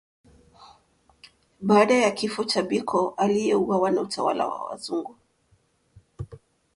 Baada ya kifo cha Biko aliyuawa na utawala wa wazungu